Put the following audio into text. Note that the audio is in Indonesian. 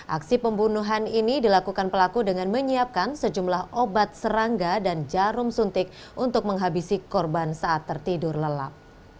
aksi pembunuhan ini dilakukan pelaku dengan menyiapkan sejumlah obat serangga dan jarum suntik untuk menghabisi korban saat tertidur lelap